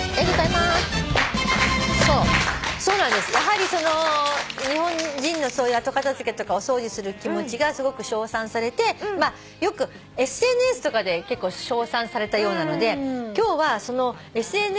やはりその日本人のそういう後片付けとかお掃除する気持ちがすごく称賛されてよくＳＮＳとかで結構称賛されたようなので今日は。